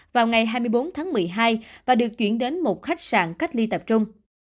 vào ngày hai mươi bốn tháng một mươi hai và được chuyển đến một khách sạn cách ly tập trung